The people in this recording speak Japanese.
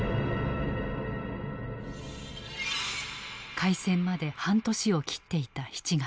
開戦まで半年を切っていた７月。